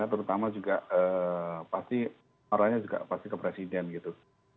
terutama juga pasti arahnya juga pasti ke presiden gitu